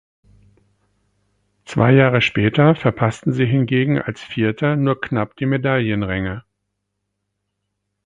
Zwei Jahre später verpassten sie hingegen als Vierter nur knapp die Medaillenränge.